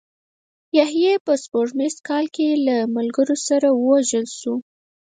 یحیی په سپوږمیز کال کې له ملګرو سره ووژل شو.